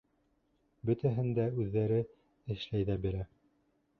Бөтәһен дә үҙҙәре эшләй ҙә бирә.